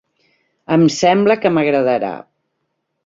-Em sembla que m'agradarà…